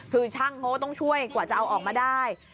คือช่างเขาก็ต้องช่วยกว่าจะเอาออกมาได้